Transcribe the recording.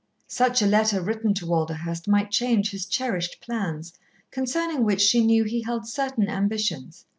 Such a letter written to Walderhurst might change his cherished plans, concerning which she knew he held certain ambitions.